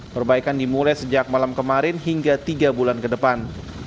perbaikan dimulai sejak malam kemarin hingga tiga bulan ke depan